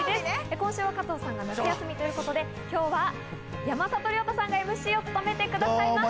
今週は加藤さんが夏休みということで今日は山里亮太さんがＭＣを務めてくださいます。